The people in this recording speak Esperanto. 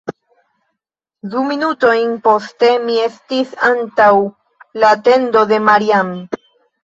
Du minutojn poste, mi estis antaŭ la tendo de Maria-Ann.